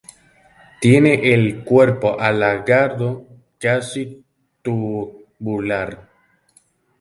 Tiene el cuerpo alargado, casi tubular.